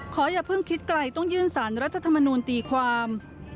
อย่าเพิ่งคิดไกลต้องยื่นสารรัฐธรรมนูลตีความ